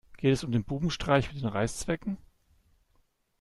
Geht es um den Bubenstreich mit den Reißzwecken?